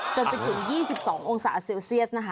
จนถึง๒๒องศาเซลเซียส